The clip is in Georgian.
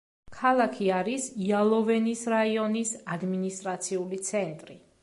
ქალაქი არის იალოვენის რაიონის ადმინისტრაციული ცენტრი.